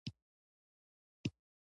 پۀ خپل ذهني صحت کار وکړي -